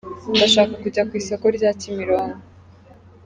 Ndashaka kujya ku isoko ry'a Kimironko.